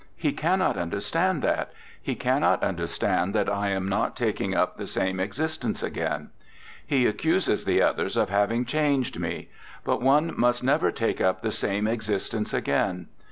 He cannot understand that he cannot understand that I am not taking up the same existence again. He accuses the others of having changed me but one must never take up the same existence again.